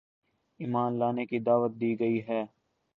ایمان لانے کی دعوت دی گئی ہے